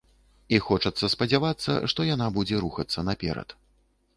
І хочацца спадзявацца, што яна будзе рухацца наперад.